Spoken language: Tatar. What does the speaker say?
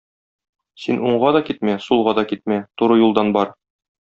Син уңга да китмә, сулга да китмә, туры юлдан бар.